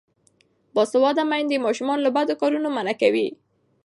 باسواده میندې ماشومان له بدو کارونو منع کوي.